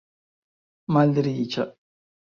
malriĉa